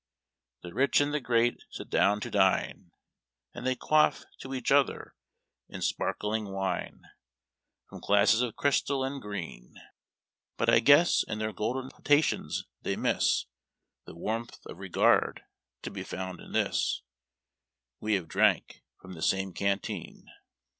The rich and the great sit down to dine, And they quaff to each other in sparkling wine. From glasses of crystal and green. 224 HARD TACK AND COFFEE. But I guess in their golden jjotations they miss The warmth of regard to be found in this — We have drank from the same canteen.